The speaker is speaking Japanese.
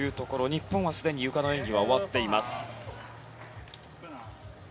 日本は、すでにゆかの演技は終わっています。